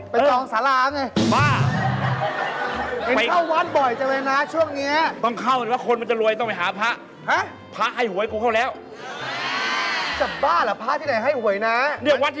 เป็นอย่างไรทำไมเข้าวัดบ่อย